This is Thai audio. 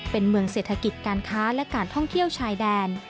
เป็นเมืองเศรษฐกิจการค้าและการท่องเที่ยวชายแดน